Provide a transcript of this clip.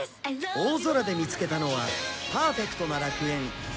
大空で見つけたのはパーフェクトな楽園パラダピア